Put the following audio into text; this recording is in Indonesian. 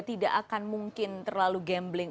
tidak akan mungkin terlalu gambling